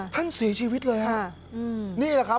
ท่านสีชีวิตเลยนะค่ะอืมนี่แหละครับ